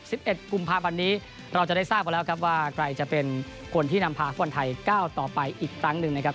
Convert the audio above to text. สิบเอ็ดกุมภาพันธ์นี้เราจะได้ทราบกันแล้วครับว่าใครจะเป็นคนที่นำพาฟุตบอลไทยก้าวต่อไปอีกครั้งหนึ่งนะครับ